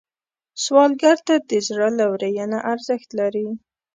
سوالګر ته د زړه لورینه ارزښت لري